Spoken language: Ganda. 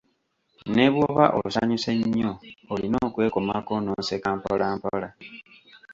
"Ne bw’oba osanyuse nnyo, olina okwekomako n'oseka mpolampola."